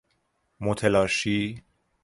متلاشی